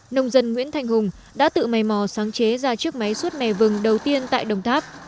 nông dân nguyễn thanh hùng đã tự mầy mò sáng chế ra chiếc máy suốt mè vừng đầu tiên tại đồng tháp